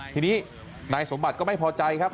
ทีนี้นายสมบัติก็ไม่พอใจครับ